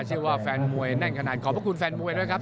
เชื่อว่าแฟนมวยแน่นขนาดขอบพระคุณแฟนมวยด้วยครับ